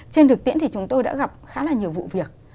trên thực tiễn thì chúng tôi đã gặp khá là nhiều vụ việc